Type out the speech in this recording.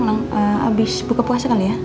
habis buka puasa kali ya